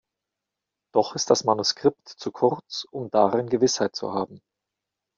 Doch ist das Manuskript zu kurz, um darin Gewissheit zu haben.